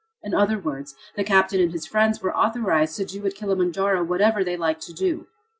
In other words, the captain and his friends were authorized to do at Kilimanjaro whatever they liked to do.